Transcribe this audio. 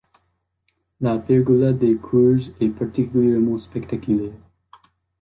La pergola des courges est particulièrement spectaculaire.